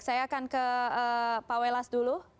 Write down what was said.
saya akan ke pak welas dulu